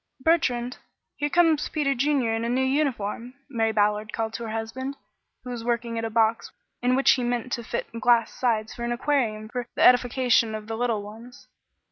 "Bertrand, here comes Peter Junior in a new uniform," Mary Ballard called to her husband, who was working at a box in which he meant to fit glass sides for an aquarium for the edification of the little ones.